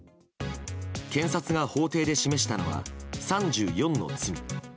検察が法廷で示したのは３４の罪。